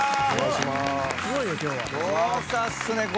豪華っすねこれ。